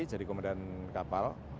saya jadi komandan kapal